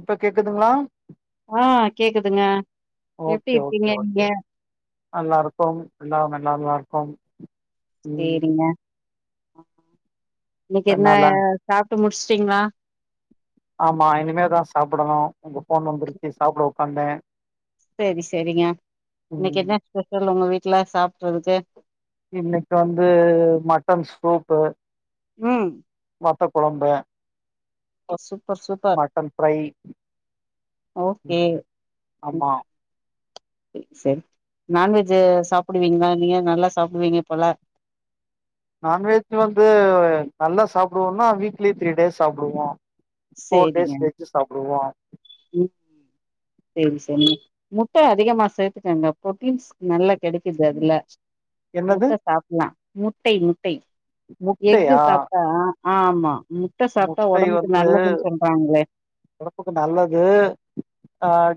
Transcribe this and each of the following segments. இப்ப கேக்குதுங்களா ஆஹ் கேக்குதுங்க எப்படி இருப்பீங்க நீங்க நல்லா இருக்கும் எல்லா நல்லா நல்லா இருக்கும் சேரிங்க ஆ இப்ப இன்னைக்கு என்ன என்னால ச முடிச்சுட்டீங்களா ஆமா இனிமேதான் சாப்பிடணும் உங்க போன் வந்துருச்சு சாப்பிட வந்தேன் சரி சரிங்க இன்னைக்கு ம் என்ன ஸ்பஷல் உங்க வீட்டு ல சாப்டுறது இன்னைக்கு வந்து மட்டன் ஸ்டூப்பு உம் வத்த குழம்ப சூப்பர் சூப்பர் ஃப்ரை ஓகே ம், ஆமா சரி நான்வெஜ் சாப்பிடுவீங்களங்களா நீங்க நல்லா சாப்பிடுவீங்க போல நான்வெஜ் வந்து நல்லா சாப்பிடுவோம்ன்னா வீக்லி த்ரீ டேஸ் சாப்பிடுவோம் போர் டேஸ் வச்சு சாப்பிடுவோம் உம் சரி சரி முட்டை அதிகமா சேர்த்துக்காங்க பு்ரோட்டீன்ஸ் நல்லா கிடைக்குது அதுல என்னது முட்டை சாப்பலாம் முட்டை முட்ட முட்டை எக்கு முட்டையா சாப்பிட்டா ஆ ஆமா முட்டை சாப்பிட்டா முட்டை உடம்புக்கு வந்து நல்லதுன்னு சொல்றாங்களே ஒடம்புக்கு நல்லது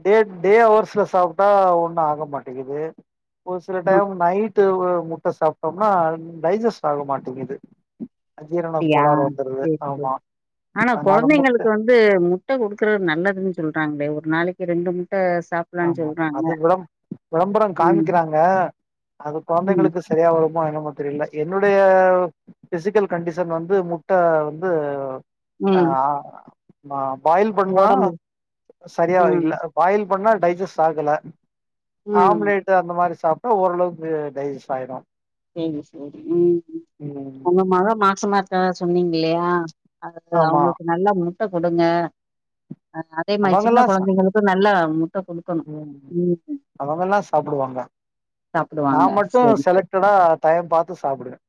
டே டே ஹவர்ஸ்ல சாப்பிட்டா ஒண்ணும் ஆக மாட்டேங்குது ஒரு சில ஆ டைம் நைட்டு முட்டை சாப்ப சாப்டோனா டைஜஸ்ட் ஆக மாட்டேங்குது அ ஜீரண அப்டியா கோலாறு வந்துடுது சேரி ஆனா குழந்தைங்களுக்கு வந்து முட்டை கொடுக்கறது நல்லதுன்னு சொல்ற நாங்களே ஒரு நாளைக்கு ரெண்டு மூணு ஆமா அது விள விளம்பரம் விளம்பரம் ம் காமிக்கிறாங்க அது ம் குழந்தைங்களுக்கு சரியா வருமோ என்ன தெரியல என்னுடைய பிசிக்கல் கண்டிஷன் வந்து முட்டை வந்து ம் ஆஹ் வாவ் பாயில் பண்ணா ஒடம்புக்கு சரியா ம் இல் பாயில் பண்ணா டைஜஸ்ட் ஆகல ம் ஆம்லேட் அந்த மாதிரி சாப்ப ஓரளவுக்கு டைஜெஸ்ட் ஆகிடும் சரி சரி உம் ம் உங்க மகள் மாச மா ஆஹ் சொன்னீங்கல்லையா ஆமா அவங்களுக்கு நல்ல மு முட்டை கொடுங்க அதே மாதிரி சின்ன குழந்தைங்களுக்கும் நல்லா முட்ட குடுக்கணு உம் ம் அவங்கல்லாம் சாப்பிடுவாங்க சாப்டுவாங்க நான் மட்டும் சேரி செலக்ட் கடா டயம் பாரத்து சாப்பிடுவேன்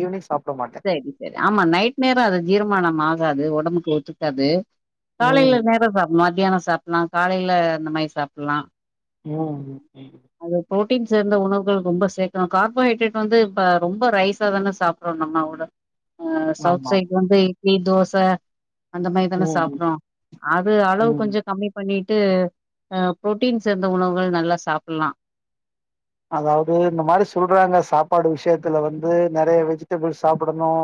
ஈவினிங் சாப்ட மாட்டே சரி சரி ஆமா நைட் நேரம் அதை ஜீரமானம் ஆகாது உடம்புக்கு ஒத்துக்காது அது ம் காலையில நேரம் சாப்பிடலாம் சாப்பிடலாம் காலையில இந்தந்த மாதிரி சாப்பிடலாம் ஹம் சேர்ந்த உணவு ரொம்ப சேர்க்கணும் கார்போஹைடாரேட் வந்து இப்ப ரொம்ப ரைசா தானே சாப்பிடறோம் நம்மோட அஹ சவுத் ஆமா சைட் வந்து தோசை அந்த பயதானே ம் சாப்டும் அது அளவு ம் கொஞ்ச கம்மி பண்ணி ட்டு புருட்டீன் சேர்ந்த உணவுகள் நல்லா சாப்பிடலாம் அதாவது இந்த மாரி சொல்றாங்க சாப்பாடு விஷ்யத்துல வந்து நிறைய வெஜிடபிள்ஸ் சாப்டணும்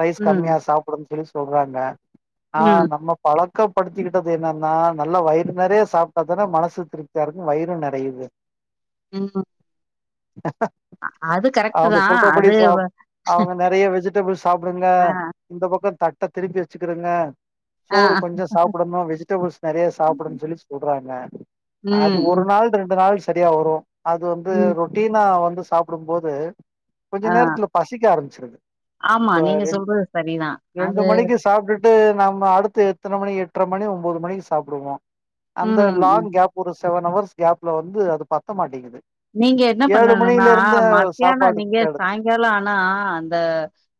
ரைஸ் ம் கம்மியா சாப்பிடனும் சொல்லி சொல்றாங்க ம் ஆஹ் நம்ம பழ பக்கப்படுத்திவிட்டது என்னன்னா நல்லா வயிறு நிறைய சாப்பிட்டா தானே மனசு திருப்தியா இருக்கும் வயிறு நிறையது ஆஹ [unintelligible] [inaudible] கரெக்ட் அவங்க தா சொல்றபடி அது சாப்பிட அவங்க நிறைய வெஜிடபிள்ஸ்ட் சாப்பிடுங்க ஆ இந்த பக்க த திருப்பி வச்சுகிறுங்க ஆ சோறு கொஞ்ச சாப்டணும் வெஜிடபிள்ஸ் நெறய சாப்டனு சொல்லி சொல்றாங்க அது ம் ஒரு ம் நாள் ரெண்டு நாள் சரியா வரூ அது வந்து ம் ரொட்டீனா வந்து சாப்டும்போது கொஞ்ச ஆ நேரத்துல பசிக்க ஆரம்பிச்சிரு ஆமா இப்ப நீங்க ரெட் சொல்றது சரிதா ரெண்டு அது மணிக்கு சாப்ட்டு த்து நம்ம அடுத்து எத்தன மணி எட்ர மணி ஒன்பது மணிக்கு சாப்டுவோம் அந்த ம் லாங் கேப் ஒரு செவன் அவர்ஸ் கேப்ல வந்து அது பத்த மாட்டெகுது நீங்க என்ன பண்ணணும்னா மத்தியான சாப்பாடு நீங்க தேடு சாங்கால ஆனா அந்த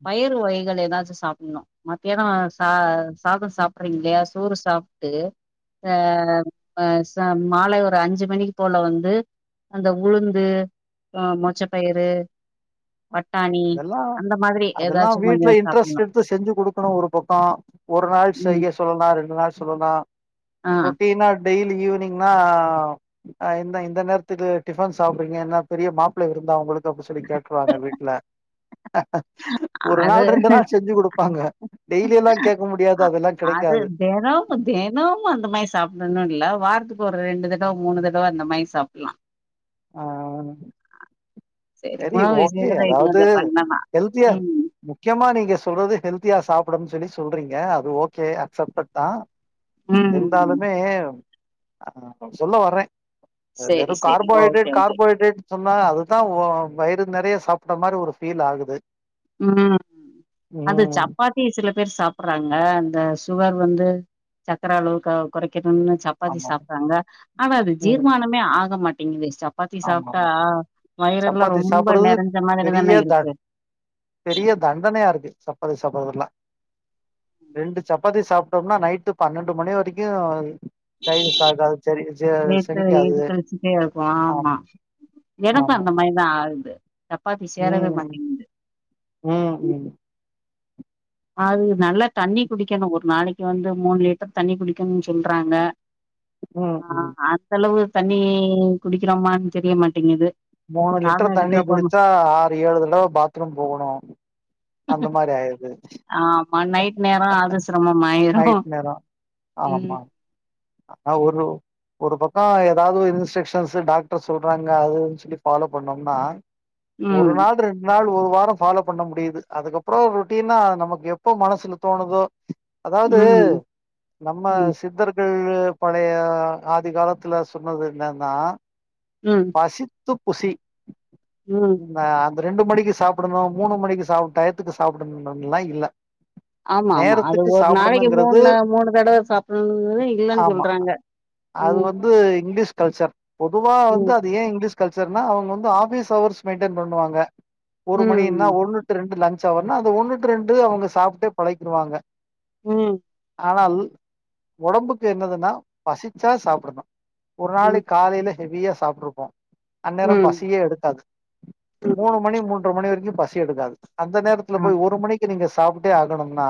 பயிர் வகைகள் ஏதாச் சாப்டணும் மத்தியான ச சாதம் சாப்றீ இல்லயா சோறு சாப்ட்டு அஹ்ஹ் சம் மாலை ஒரு அஞ்சு மணிக்கு போல வந்து அந்த உளுந்து ஆஹ மொச்சப்பயிரு அதெல்லா அதெல்லா ஏதாச்சும் வீட்ல கொஞ்சம் இன்ட்ரெஸ்ட் சாப்பிடணும். எடுத்து செஞ்சு குடுக்கணும் ஒரு பக்கம் ஒரு நாள் ம். செய்ய சொல்லலாம் ரெண்டு நாள் சொல்லலாம் ஆ. ரொட்டீனா டெய்லி ஈவினிங்னா இந்த இந்தநேரத்துக்கு டிபன் சாப்பறீங்க என்ன பெரிய மாப்பிள விருந்தா உங்களுக்கு அப்படி சொல்லி வாங்க வீட்ல ஒரு அது நாள் ரெண்டு நாள் செஞ்சி கொடுப்பாங்க டெய்லி எல்லா கேட்க முடியாது. அ அதெல்லா அது கிடைக்காது தினமும் தினமும் அந்த மாரி சாப்பிடணும் இல்ல. வாரத்துக்கு ஒரு ரெண்டு தடவ மூணு தடவ அந்த மாதிரி யி சாப்பிடலாம் ஆஹ் [inaudible] சரி உணவு ஓகே விஷயத்துல இது அதாவது கொஞ்சம் பண்ணலாம். ஹெல்தியா ம். முக்கியமா நீங்க சொல்றது ஹெல்த் ஹல்தியா சாப்பிடனும் சொல்லி சொல்றீங்க அது ஓகே அப்செட் தான் ம். இருந்தாலுமே ஆஹ் சொல்ல வர்றேன் சேரி சேரி ஓ கார்போஹைட்ரேட் அது தான் வயிறு நெறைய சாப்பிட்ட மாரி ஒரு ஃபீல் ஆகுது. உம் ம் சப்பாத்தி சில பேர் சாப்பிற்றாங்க அந்த சுகர் வந்து சக்கர அளவு குறைக்கா [inaudible] சப்பாத்தி ஆமா சாப்றாங்க ஆகாது ம் ஜீர்மானமே ஆகமாட்டிங்குது சப்பாத்தி ஆமா சாப்பிட்டா வயிறெல்லாம் சப்பாத்தி ரொம்ப சாப்புட்றது நெறஞ்ச பெரிய மாதிரிதானே த இருக்கு பெரிய தண்டனையா இருக்கு சப்பாத்தி சாப்பிற்றெல்லாம் ரெண்டு சப்பாத்தி சாப் நைட்டு பன்னெண்டு மணி வரைக்கும் டைஜசஸ் ஆகாது. செரி செ செரிக்காது எதுக்கழச்சிட்டே இருக்கும் ஆமா எனக்கும் அந்த ஆமாமா மாரி தான் ஆகுது. சப்பாத்தி சேறவே மாட்டேங்குது உஹம் உம் அது நல்லா தண்ணி குடிக்கணும் ஒரு நாளக்கி வந்து மூணு லிட்டர் தண்ணி குடிக்கணும் சொல்றாங்க ம் ஆஹ் ம் அந்த அளவு தண்ணி குடிக்கிறோமா தெரிய மாட்டேங்குது மூணு தாகோ லிட்டர் தண்ணி எடுக்கிறப்ப ம குடிச்சா ஆறு ஏழு தடவ பாத்ரூம் போகணும் அந்த மாரி ஆயிறுது ஆமா நைட் நேரம் அதுசிரமாய்ரு நைட் நேரோ உம் ஆமா ஒரு ஒரு பக்கம் ஏதாவது இன்ஸ்க்ஷன்சு டாக்டர் சொல்றாங்க அது சொல்லி ஃபாலோ பண்ணோம்னா ஒரு ம் நாள் ரெண்டு நாள் ஒ ஃபாலோ பண்ண முடியுது அதுக்கப்புறம் ரொட்டீனா நமக்கு எப்போ மனசுக்கு தோணுதோ அதாவது ம் நம்ம ம் சித்தர் [unintelligible] பழய ஆதி காலத்ல சொன்னது என்னன்னா ம் பசி துப்புசி ம் நா [unintelligible] ரெண்டு மணிக்கு சாப்டணும் மூணு மணிக்கு சாப்டணும் டயத்துக்கு சாப்டுணும் அப்படியெல்லாம்இல்ல ஆமா ஆமா அது ஒரு நாளக்கி மூணு தடவ சாப்பிற்றது இல்ல ஆமா சொல்றாங்க அது உம் வந்து இங்கிலீஷ் கல்ச்சர் பொதுவா வந்து உம் அது ஏன் இங்கிலீஷ் கல்ச்சர்னா அவுங்க வந்து ஆபிஸ் ஹவர்ஸ் மெயின்டன் பண்ணுவாங்க ஒரு மணினா ம் ஒன்னு டூ ரெண்டு லஞ் அது ஒன்னு டூ ரெண்டு அவுங்க சாப்டே பழக்கிடுவாங்க உஹம் ஆனால் உடம்புக்கு என்னதுன்னா பசிச்சா சாப்பிடணும் ஒரு ம் நாளைக்கு காலையில ஹெவியா சாப்ப ஆ [unintelligible] அந்நேரம் ம் பசியே எடுக்காது மூணு மணி மூன்றைமணி வரைக்கும் பசி எடுக்காது அந்த நேரத்துல போய் ஆமா ஒரு மணிக்கு நீங்க சாப் சாப்பிட்டே ஆகணும்னா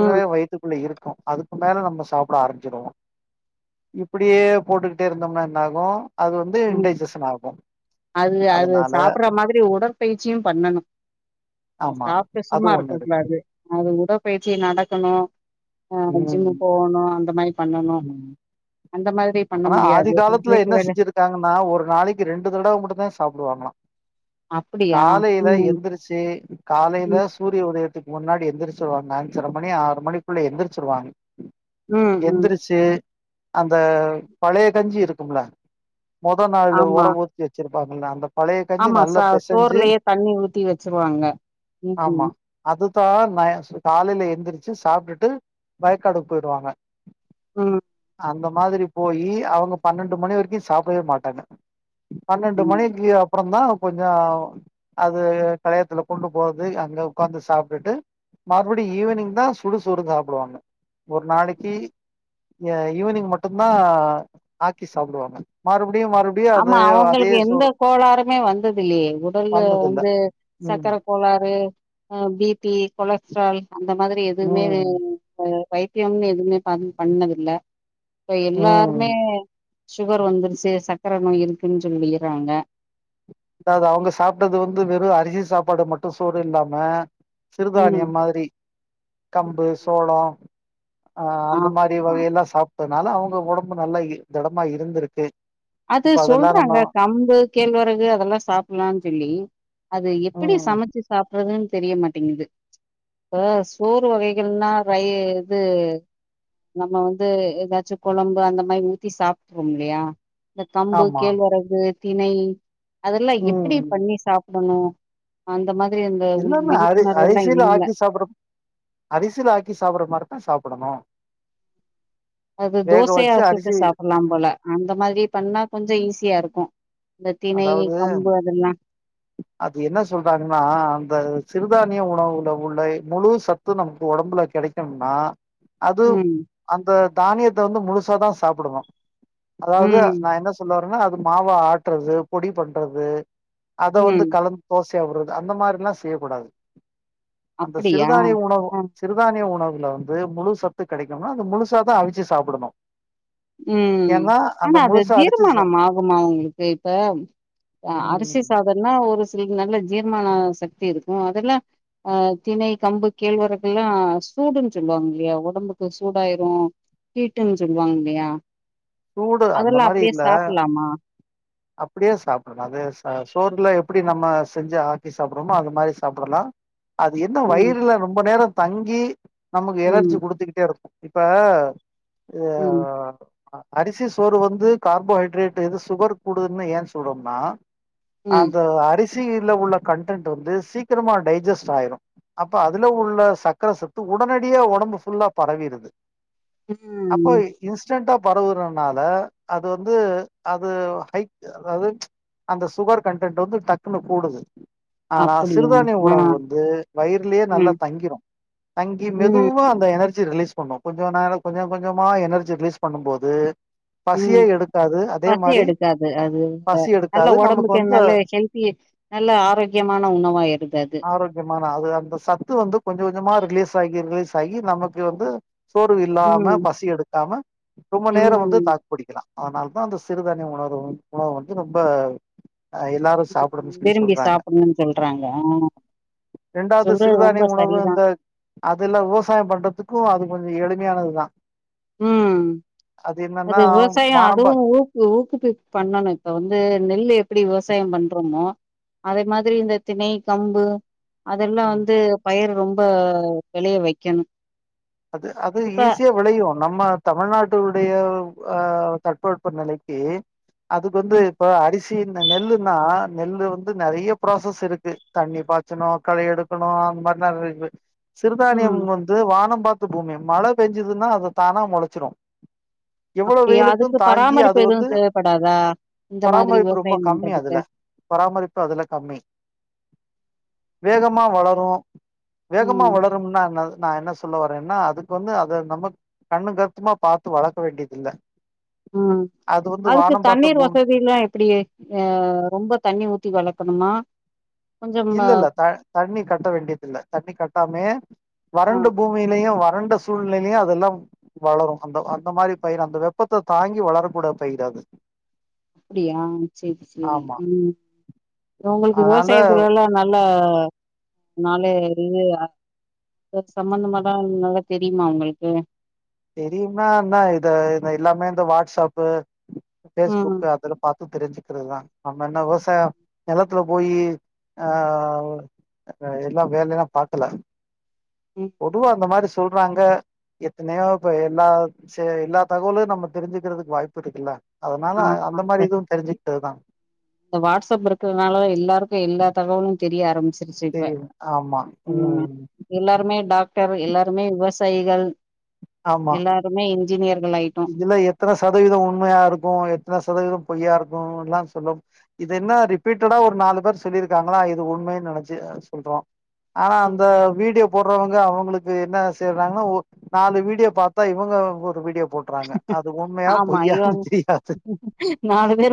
ம் வயத்துக்குள்ள இருக்கு அதுக்கு மேல நம்ம சாப்பிட ஆரஞ்சிருவோம் இப்படியே போட்டுக்கிட்டே இருந்தோம்னா என்ன ஆகும் அது வந்து உம் இன்டைஜஷன் ஆகு அது அது அதனால சாப்பிற மாதிரி உடற்பயிற்சியும் பண்ணணும் ஆமா சாப்பிட்ட அது சும்மா ஒண்ணு இருக்க இருக்கு கூடாது அது உடற்பயிற்சி நடக்கணும் ஆஹ் ஜிம்மு ம் போகணும் அந்த மாதிரி பன்ணனும் ம் அந்த மாதிரி பண்ண முடியாது வீட்டு வேலை இருக்காங்கன்னா ஒரு நாளைக்கு ரெண்டு தடவை மட்டு்தான் சாப்பிடுவாங்களலாம் அப்படியா? காலையில ம். எந்திருச்சு காலையில ம். சூரிய உதயத்து க்கு முன்னாடி எந்திரிச்சுவாங்க அஞ்சரை மணி ஆறு மணிக்குள்ள எந்திரிச்சுரு வாங்க ம், ம். எந்திருச்சு அந்த பழைய கஞ்சி இருக்கும்ல முதல் நாள் ஆமா. உர ஊற்றி வச்சிருக்கேன் ப ந [unintelligible] ஆமா சார் சோறுலயே தண்ணி ஊத்தி வச்சுருவாங்க ஆமா உம் காலையில எழுந்திரிச்சு சாப்பிட்டுட்டு வயக்காடு போயிடுவாங்க ஆஹ் [inaudible] அந்த மாதிரி போயி அவங்க பன்னெண்டு மணி வரைக்கும் சாப்பிடவே மாட்டாங்க பன்னெண்டு ம். மணிக்கு அப்புறம தான் போய் அது களையத்தில கொண்டுயோயிஅங்க உட்காந்து சாப்பிட்டு மறுபடியும் ஈவினிங் தான் சுடு சோறு சாப்பிவாங்க ஒரு நாளைக்கு ஈவினிங் மட்டும் ஆக்கி சாப்பிடுவாங்க மாறுப ஆமா அவங்களுக்கு எந்த கோளாறுமே வந்தது இல்லையே உடல்ல வந்ததில்ல வந்து ம் சர்கக்கரை கோளாறு பிபி, கொல ஆம் [unintelligible] அந்த மாதிரி எதுவுமே ம் வைத்தியம்னு எதுவுமே பண்ணது இல்ல இப்ப ம் எல்லாருமே சுகர் வந்துருச்சு சக்கர சக்கர நோய் இருக்குன்னு சொல்லிறாங்க அதாவது அவங்க சாப்பிட்டது வந்து வெறும் அரிசி சாப்பாடு மட்டும் சோறு இல்லாம ம். சிறுதானியம் மாதிரி கம்பு சோளம் ஆஹ் அந்த மாதிரி ஆமா. வகையெல்லாம் சாப்ப அதனால அவங்க உடம்பு நல்லா திடமா இருந்திருக்கு அது இப்ப அதெல்லா நம்ம சொல்றாங்க கம்பு கேழ்வரகு அதெல்லாம் சாப்பலாம்னு சொல்லி அது எப்படி ம் சமைச்சு சாப்பிட சாப்றதுன்னு தெரிய மாட்டேங்குது இப்ப சோறு வகைகள்னா ரய இது நம்ம வந்து ஏதாச்சும் குழம்பு அந்த மாதிரி ஊத்தி சாப்பிட்டுரோம் இல்லையா இந்த கம்பு ஆமா கேழ்வரகு தினை அதெல்லாம் எப்படி ம் பண்ணி சாப்பிடணும் அந்த மாதிரி இந்த உள்- இல்லன்ன அரி விழிப்புணர்வு எல்லா அரிசியில இல்ல ஆக்கி சாப்பிடற அரிசியில ஆக்கி சாப்பிடற மாதிரிதான் சாப்பிடணும் அது தோசையா வச்சு சுட்டு அரிசி சாப்பிடலாம் ம் போல அந்த மாதிரி பண்ணா கொஞ்சம் ஈஸியா இருக்கும். ஆ [unintelligible] அதாவது அது என்ன சொல்றாங்கன்னா அந்த சிருதானிய உணவுல உள்ள முழு சத்து நமக்கு உடம்புல கிடைக்கணும்னா அது ம் அந்த தானியத்தை வந்து முழுசாதான் சாப்பிடணும் அதாவது ம் நான் என்ன சொல்ல னா அது மாவா ஆட் றது பொடி பண்றது அத வந்து ம் கலந்து தோசை றது அந்த மாரில்லாம் செய்யக்கூடாது அந்த அப்டியா சிறுதானிய உணவு ஆ சிறுதானிய உணவு ல வந்து முழு சத்து கிடைக்கணும்னா அந்த முழுசாதான் அவிச்சு சாப்பிடணும் உம் ஆனா அது அடிச்சு சா தீர்மானம் ஆகுமா உங்களுக்கு இப்ப அரிசி ம் சாதம்னா ஒரு சில நல்ல ஜீர்மான சக்தி இருக்கும் அதெல்லாம் அஹ் திணை கம்பு கேழ்வரகு எல்லா சூடுன்னு சொல்லுவாங்க இல்லயா உடம்புக்கு சூடாயிரும் கீட்டுன்னு சொல்லுவாங்க இல்லயா ஆஹ சூடு அந்த மாரி இல்ல அப்டியே சாப்பிடணும் அது சோறுல அப்படி நம் செஞ்சு ஆக்கி சாப்பிடுறோமோ அது மாரி சாப்பிடலாம் அது என்ன ம் வயிறுல ரொம்ப தங்கி நமக்கு எனர்ஜி ம் குடுத்துக்கிட்டே இருக்கும் இப்ப யே ம் அரிசி சோறு வந்து கார்போஹைட்ரேட் இது சுகர் கூடுதுன்னு ஏன் சொல்றோம்னா ம் அந்த அரி சி உள்ள கன்டென்ட் வந்து சீக்கிரமா டைஜஸ்ட் ஆயிரும் அப்ப அதுல உள்ள சக்கர சத்து உடனடிய உடம்பு ஃபுல்லா பரவியிருது அப்போ ம் இன்ஸிடெண்டட் ஆப் பரவுறனால அது வந்து அது ஹக் அதது அந்த சுகர் கன்டென்ட் வந்து டக்குனு கூடுது ஆனா அப்படியா சிறுதானிய ஆ உணவு வந்து வயர்லேயே நல்லா ம் தங்கிரும் தங்கி ம் மெதுவா அந்த எனர்ஜி ரிலீஸ் பண்ணும் கொஞ்சம் நேரம் கொஞ்சம் கொஞ்சமா எனர்ஜி ரிலீஸ் பண்ணும்போது உம் பசி எடுக்காது அது பசி நல்ல எடுக்காது நமக்கு உடம்புக்கு வந்து நல்ல ஹெல்த்தி நல்ல ஆரோக்கியமான உணவா இருக்கு அது ஆரோக்கியமான அது அந்த சத்து வந்து கொஞ்ச கொஞ்சமா ரிலீஸ் ஆகி ரிலீஸ் ஆகி நமக்கு வந்து சோர்வு இல்லாம ம் பசி எடுக்காம ரொம்ப நேரம் ம் வந்து தாக்கு பிடிக்கலாம் அதனாலதான் அந்த சிறுதானிய உணவு உணவு வந்து ரொம்ப எல்லாரும் சாப்பிடும்னு சொல்லி விரும்பி சொல்றாங்க சாப்புட்ணுன் சொல்றாங்க இண்டாவது சொல்றது ரொம்ப சிறுதானிய உணவு சரிதா இந்த அதுல்லாம் விவசாயம் பண்றதுக்கும் அது கொஞ்சம் எழு ம்மையானதுதான் உம் அது விவசாயம் வானம் அதுவும் ஊக்கு ஊக்குப்பு பண்ணணும் இப்ப வந்து நெல்லு எப்படி விவசாயம் விவசாயம் பண்றோமோ அதே மாதிரி இந்த திணை கம்பு பா அதெல்லாம் வந்து பயர் ரொம்ப வெளைய வைக்கணும் அது அது ஈஸியா விளையும் நம்ம தமிழ்நாட்டுடைய அஹ் தட்ப வெப்ப நிலைக்கு அதுக்கு வந்து ம் இப்ப அரிச ச இந்த நெல்லுன்னா நெல்லு வந்து நிறைய ப்ராசஸ் இருக்கு தண்ணி பாய்ச்சணும் களை எடுக்கணும் அந்த மாதிரி நிறைய சிறுதானியம் ம் வந்து வானம் பார்த்த பூமி மழை பெஞ்சுதுன்னா அதை தானா முளைச்சிரும் எவ்வளவு அப்டியா அதுக்கு வெயிலுக்கும் தாங்கி பராமரிப்பு அது எதுவு வந்து தேவப்படாதா இந்த மாதிரி பராமரிப்பு ரொம்ப விவசாயம் கம்மி அதுல பண்றதுக்கு பராமரிப்பு அதுல கம்மி வேகமா வளரும் வேகமா ம் வளரும்னா என்ன நான் என்ன சொன்னேன் சொல்ல [inaudible] ஏன்னா அதுக்கு வந்து அதை நம்ப கண்ணு கருத்துமா பார்த்து வளக்க வேண்டியதில்ல உஹம் அது வந்து அதுக்கு வானம் பார்த்த தண்ணீர் பூமி வசதில்லாம் எப்டி அஹ் ரொம்ப தண்ணி ஊத்தி வளக்கணுமா கொஞ்சம் இல்லல்ல தண்ணி கட்ட வேண்டியதில்ல தண்ணி கட்டாமே ஆ வறண்ட பூமியிலயும் வ வறண்ட சூழ்நிலையிலையும் அதெலாம் வளரும் அந்த அந்த மாதிரி பயிர் அந்த வெப்பத்தை தாங்கி வளரக்கூட பயிர் அது அப்டியா சேரி சேரி ஆமா உம் ஒங்களுக்கு அதனால விவசாயத்துலலாம் ந நல்லா நாலறிவு இது சம்பந்தமாதான் நல்லா தெரியுமா உங்களுக்கு தெரியும்னா என்னா இத இத எல்லாமே இந்த வாட்ஸ்ஆப்பு ம் ஃபேஸ்புக்கு அதல பாத் தெரிஞ்சுக்கிறதுதான் நம்ம என்ன விவசாயம் நிலத்துல போயி ஆஹ் எல்லா வேலலாம் பாக்கல ம் பொதுவா அந்த மாரி சொல்றாங்க எத்னையோ இப்ப எல்லா சே எல்லா தகவலும் நம்ப தெரிஞ்சுக்கிறதுக்கு வாய்ப்பு இருக்குல்ல அதனால ஆமா அந்த இந்த மாரி இதுவும் தெரிஞ்சு அதான் இந்த வாடஸ்அப் இருக்கிறதுனால எல்லாருக்கும் எல்லா தகவலும் தெரிய ஆரம்பிச்சு சிப்ப தெரியுது ஆமா உ ம் எல்லாருமே டாக எல்லாருமே விவசாயிகள் ஆமா எல்லாருமே ஜினியர் இதுல எத்தனை சதவீதம் உண்மையாருக்கும் எத்தனை சதவீதம் பொய்யாருக் இப்பலாம சொல்ல இது என்ன ரிப்பீட்ட ஒரு நாலு பேர் சொல்லிருக்காளா இது உண்மைனு நினைச்சு சொல்றோம் ஆனா அந்த வீடியோ போடுறவங்க அவங்களுக்கு என்ன செய்றாங்க நாலு வீடியோ பாத்தா இவங்க ஒரு வீடியோ போட்றாங்க அது உண்மையா ஆமா ஐயோ பொய்யான்னு தெரியாது நாலு பேரு